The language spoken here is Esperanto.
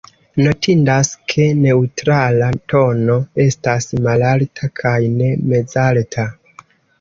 Notindas, ke neŭtrala tono estas malalta kaj ne mezalta.